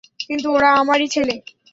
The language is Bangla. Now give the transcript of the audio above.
কিন্তু ওরা আমারই ছেলে।